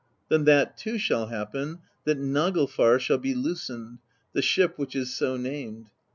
Then that too shall hap pen, that Naglfar shall be loosened, the ship which is so named.